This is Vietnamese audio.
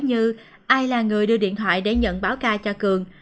như ai là người đưa điện thoại để nhận báo ca cho cường